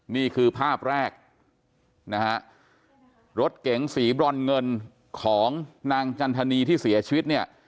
นี่คือภาพแรกนะฮะรถเก๋งสีบรอนเงินของนางจันทนีที่เสียชีวิตเนี่ย